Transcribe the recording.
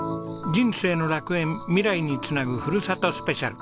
『人生の楽園』未来につなぐ故郷スペシャル。